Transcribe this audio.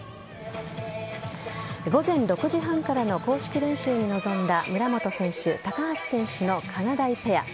午前６時半からの公式練習に臨んだ村元選手、高橋選手のかなだいペア。